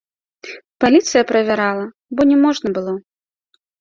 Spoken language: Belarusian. Паліцыя правярала, бо не можна было!